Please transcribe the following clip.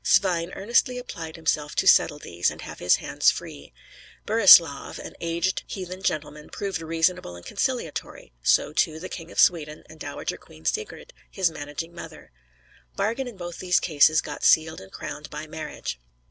Svein earnestly applied himself to settle these, and have his hands free. Burislav, an aged heathen gentleman, proved reasonable and conciliatory; so, too, the King of Sweden, and Dowager Queen Sigrid, his managing mother. Bargain in both these cases got sealed and crowned by marriage.